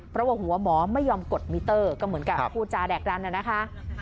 เพราะว่าหัวหมอไม่ยอมกดมิเตอร์ก็เหมือนกับพูดจาแดกดันน่ะนะคะ